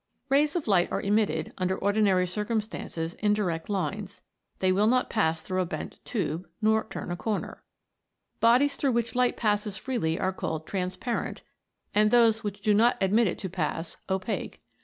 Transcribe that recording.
Rays of light are emitted, under ordinary cir cumstances, in direct lines ; they will not pass THE MAGIC OF THE SUNBEAM. 91 through a bent tube, nor turn a corner. Bodies through which light passes freely are called trans parent, and those which do not admit it to pass, opaque.